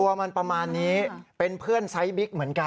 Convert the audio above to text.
ตัวมันประมาณนี้เป็นเพื่อนไซส์บิ๊กเหมือนกัน